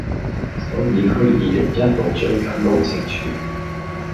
所以區議員一路追緊路政署